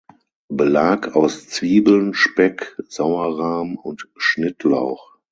Belag aus Zwiebeln, Speck, Sauerrahm und Schnittlauch.